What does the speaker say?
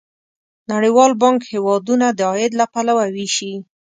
نړیوال بانک هیوادونه د عاید له پلوه ویشي.